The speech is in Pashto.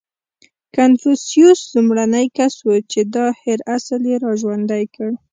• کنفوسیوس لومړنی کس و، چې دا هېر اصل یې راژوندی کړ.